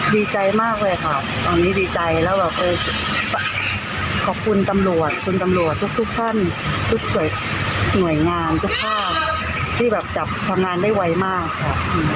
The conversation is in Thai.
ดีใจมากเลยค่ะตอนนี้ดีใจแล้วแบบเออขอบคุณตำรวจคุณตำรวจทุกท่านทุกหน่วยงานทุกภาคที่แบบจับทำงานได้ไวมากค่ะ